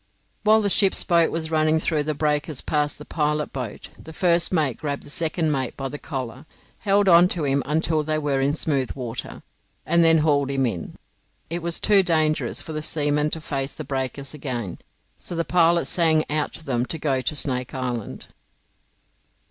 While the ship's boat was running through the breakers past the pilot boat, the first mate grabbed the second mate by the collar, held on to him until they were in smooth water, and then hauled him in. It was too dangerous for the seamen to face the breakers again, so the pilot sang out to them to go to Snake Island.